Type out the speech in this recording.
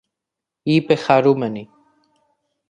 είπε χαρούμενη